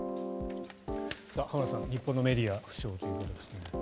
浜田さん、日本のメディア負傷ということですが。